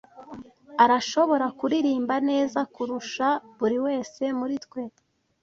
Arashobora kuririmba neza kurusha buri wese muri twe.